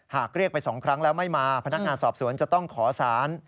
เรียกไป๒ครั้งแล้วไม่มาพนักงานสอบสวนจะต้องขอสาร